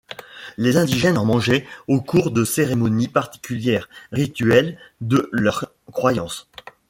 Les indigènes en mangeaient au cours de cérémonies particulières, rituel de leurs croyances.